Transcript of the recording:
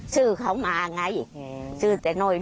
ชื่อเขามาไงชื่อเจ๊น้อย